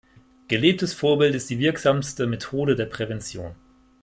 Gelebtes Vorbild ist die wirksamste Methode der Prävention.